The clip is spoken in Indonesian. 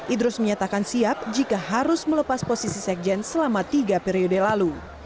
idrus menyatakan siap jika harus melepas posisi sekjen selama tiga periode lalu